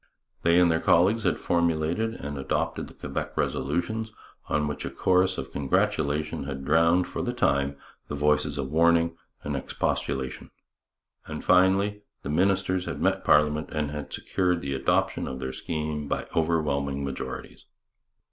They and their co delegates had formulated and adopted the Quebec resolutions, on which a chorus of congratulation had drowned, for the time, the voices of warning and expostulation. And, finally, the ministers had met parliament and had secured the adoption of their scheme by overwhelming majorities.